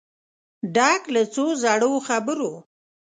ډک له څو زړو خبرو